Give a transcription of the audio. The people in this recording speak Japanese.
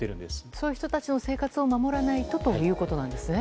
そういう人たちの生活を守らないとということなんですね。